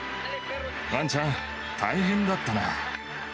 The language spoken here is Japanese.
ワンちゃん、大変だったな。